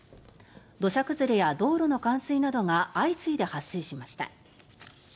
土砂崩れや道路の冠水などが相次いで発生しました。